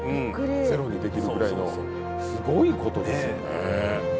ゼロにできるぐらいのすごいことですよね